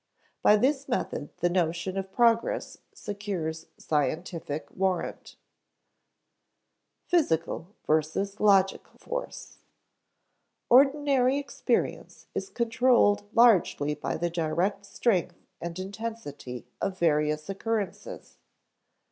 By this method the notion of progress secures scientific warrant. [Sidenote: Physical versus logical force] Ordinary experience is controlled largely by the direct strength and intensity of various occurrences.